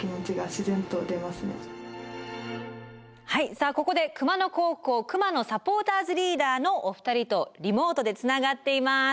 さあここで熊野高校Ｋｕｍａｎｏサポーターズリーダーのお二人とリモートでつながっています。